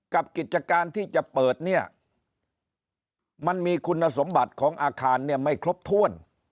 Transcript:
กิจการที่จะเปิดเนี่ยมันมีคุณสมบัติของอาคารเนี่ยไม่ครบถ้วน